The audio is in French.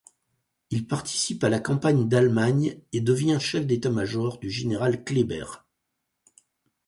Il participe à la campagne d'Allemagne et devient chef d'état-major du général Kléber.